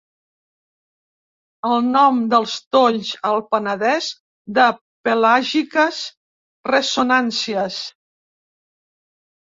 El nom dels tolls al Penedès, de pelàgiques ressonàncies.